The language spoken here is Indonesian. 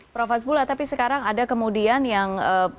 prof hasbullah tapi sekarang ada kemudian yang